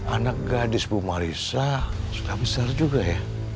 anak gadis bumalisa sudah besar juga ya